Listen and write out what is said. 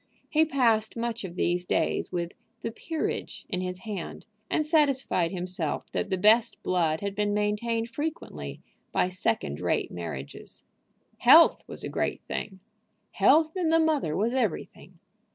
He passed much of these days with the "Peerage" in his hand, and satisfied himself that the best blood had been maintained frequently by second rate marriages. Health was a great thing. Health in the mother was everything.